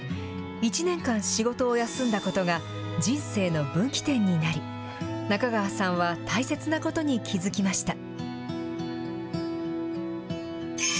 １年間仕事を休んだことが、人生の分岐点になり、中川さんは大切なことに気付きました。